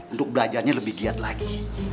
untuk belajarnya lebih giat lagi